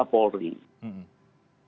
pengawasan kinerja polri